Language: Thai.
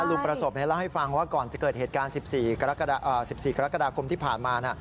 ลุงประสบเล่าให้ฟังว่าก่อนจะเกิดเหตุการณ์๑๔กรกฎาคมที่ผ่านมา